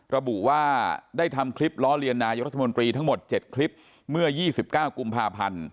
ระบุว่าได้ทำคลิปล้อเลียนนายกรัฐมนตรีทั้งหมด๗คลิปเมื่อ๒๙กุมภาพันธ์